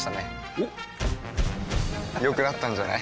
おっ良くなったんじゃない？